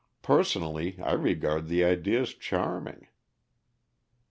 Personally, I regard the idea as charming."